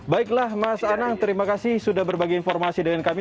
baiklah mas anang terima kasih sudah berbagi informasi dengan kami